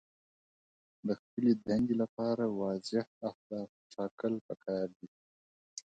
د خپلې دندې لپاره واضح اهداف ټاکل پکار دي.